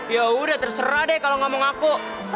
yaudah terserah deh kalau gak mau ngaku